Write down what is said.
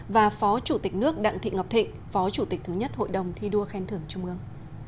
và phó chủ tịch nước đặng thị ngọc thịnh phó chủ tịch thứ nhất hội đồng thi đua khen thưởng trung ương